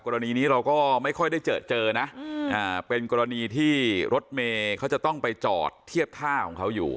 กรณีนี้เราก็ไม่ค่อยได้เจอเจอนะเป็นกรณีที่รถเมย์เขาจะต้องไปจอดเทียบท่าของเขาอยู่